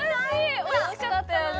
おいしかったよね。